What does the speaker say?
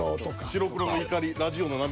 「白黒」の怒りラジオの涙。